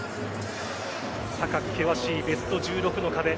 高く険しいベスト１６の壁。